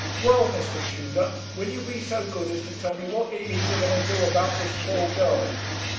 'Well, Mr. Tudor, will you be so good as to tell me what it is you're going to do about this poor girl?'